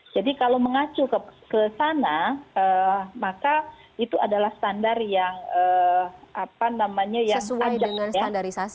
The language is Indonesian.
jadi kalau mengacu ke sana maka itu adalah standar yang sesuai dengan standarisasi